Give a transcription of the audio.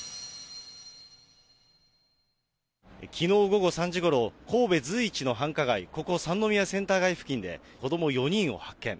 きのう午後３時ごろ、神戸随一の繁華街、ここ三宮センター付近で子ども４人を発見。